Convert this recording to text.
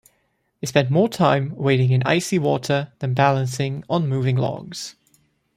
They spent more time wading in icy water than balancing on moving logs.